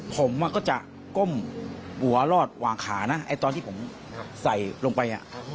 ผมก็จะก้มหัวรอดวางขานะไอ้ตอนที่ผมใส่ลงไป